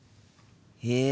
へえ。